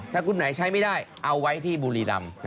ถ้าคุณไหนใช้ไม่ได้เอาไว้ที่บุรีรำ